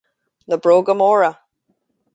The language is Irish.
Na bróga móra